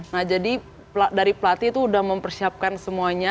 nah jadi dari pelatih itu sudah mempersiapkan semuanya